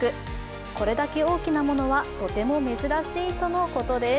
これだけ大きなものはとても珍しいとのことです。